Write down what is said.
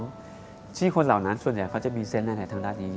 บ๊วยบ๊วยที่คนเหล่านั้นส่วนใหญ่เขาจะมีเซ็นต์ในแถวราชนี้เยอะ